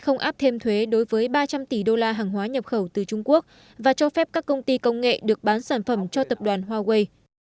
không áp thêm thuế đối với ba trăm linh tỷ đô la hàng hóa nhập khẩu từ trung quốc và cho phép các công ty công nghệ được bán sản phẩm cho tập đoàn huawei